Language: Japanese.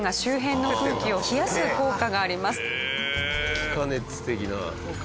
気化熱的な。